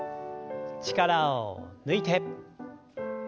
力を抜いて。